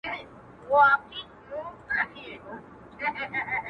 په ژورو کي غځېږي تل،